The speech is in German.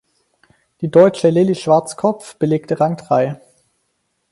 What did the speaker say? Die Deutsche Lilli Schwarzkopf belegte Rang drei.